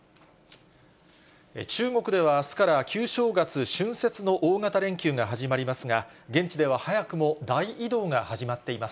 中国では、あすから旧正月、春節の大型連休が始まりますが、現地では早くも大移動が始まっています。